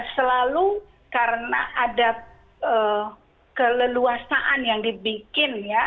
selalu karena ada keleluasaan yang dibikin ya